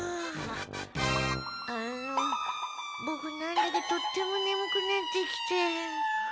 あのボクなんだかとってもねむくなってきて。